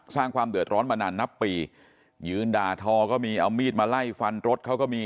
สร้างความเดือดร้อนมานานนับปียืนด่าทอก็มีเอามีดมาไล่ฟันรถเขาก็มี